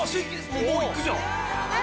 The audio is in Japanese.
もう行くじゃん。